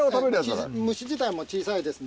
虫自体も小さい。